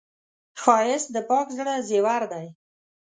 ښایست د پاک زړه زیور دی